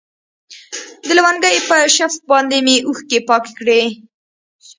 د لونګۍ په شف باندې مې اوښكې پاكې كړي.